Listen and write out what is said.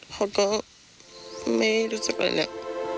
เขาก็ไม่รู้สึกอะไรแล้ว